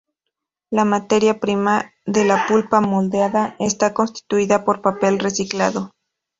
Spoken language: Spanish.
La materia prima de la pulpa moldeada está constituida por papel reciclado.